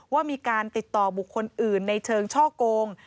ว่ามีการติดต่อบุคคลอื่นในเชิงช่อโกง